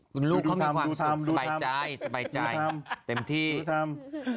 คุณลูกเขามีความสุขสบายใจสบายใจเต็มที่ทำ